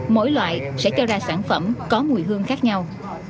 mỗi loại sẽ cho ra sản phẩm có mùi hương khác nhau